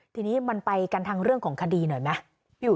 ทีนี้มันไปกันทางเรื่องของคดีหน่อยไหม